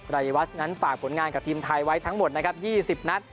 รายวัชนั้นฝากผลงานกับทีมไทยไว้ทั้งหมดนะครับ๒๐นัด